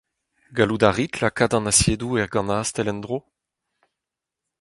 Gallout a rit lakaat an asiedoù er ganastell en-dro ?